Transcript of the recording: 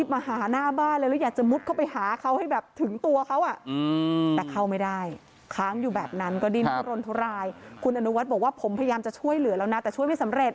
ผมพยายามจะช่วยเหลือแล้วนะแต่ช่วยไม่สำเร็จ